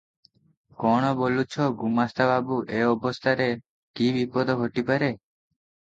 କଣ ବୋଲୁଛ ଗୁମାସ୍ତା ବାବୁ, ଏ ଅବସ୍ଥାରେ କି ବିପଦ ଘଟି ପାରେ?